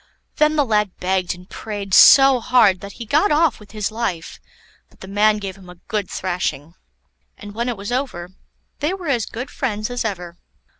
Then the lad begged and prayed so hard that he got off with his life, but the man gave him a good thrashing. And when it was over, they were as good friends as ever.